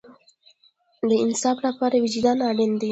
د انصاف لپاره وجدان اړین دی